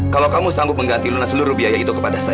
kalau kamu sanggup mengganti luna seluruh biaya itu kepada saya